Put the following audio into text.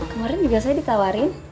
kemarin juga saya ditawarin